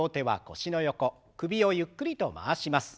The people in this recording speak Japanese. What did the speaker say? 首をゆっくりと回します。